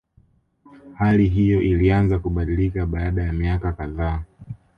Hali hiyo ilianza kubadilika baada ya miaka kadhaa